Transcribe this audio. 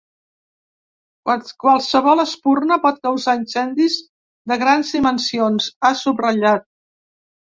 “Qualsevol espurna pot causar incendis de grans dimensions”, ha subratllat.